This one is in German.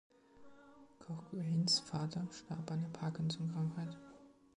Cochranes Vater starb an der Parkinson-Krankheit.